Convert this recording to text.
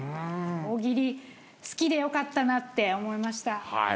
大喜利好きでよかったなって思いました。